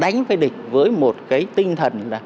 đánh với địch với một tinh thần